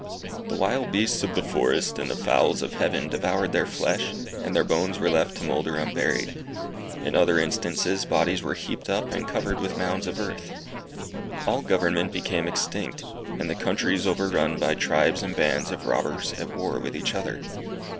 The wild beasts of the forest and fowls of heaven devoured their flesh, and their bones were left to moulder unburied. In other instances bodies were heaped up, and covered with mounds of earth. All government became extinct, and the countries overrun by tribes and bands of robbers at war with each other.